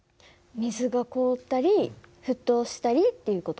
水が凍ったり沸騰したりっていう事？